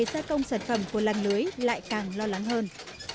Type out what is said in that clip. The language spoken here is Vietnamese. nhưng ngày xa công sản phẩm của làng lưới lại càng lo lắng hơn